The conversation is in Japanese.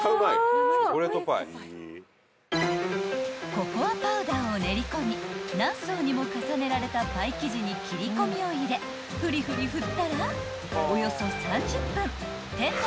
［ココアパウダーを練り込み何層にも重ねられたパイ生地に切り込みを入れふりふり振ったらおよそ３０分店内で焼き上げていきます］